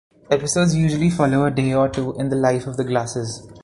Episodes usually follow a day or two in the life of the Glassers.